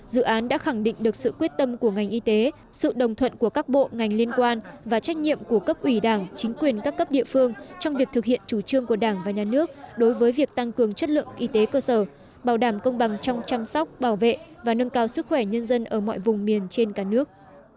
dự án đã khẳng định được sự quyết tâm của ngành y tế sự đồng thuận của các bộ ngành liên quan và trách nhiệm của cấp ủy đảng chính quyền các cấp địa phương trong việc thực hiện chủ trương của đảng và nhà nước đối với việc tăng cường chất lượng y tế cơ sở bảo đảm công bằng trong chăm sóc bảo vệ và nâng cao sức khỏe nhân dân ở mọi vùng miền trên cả nước